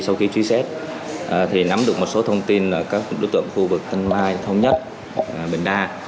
sau khi truy xét thì nắm được một số thông tin là các đối tượng khu vực tân mai thống nhất bình đa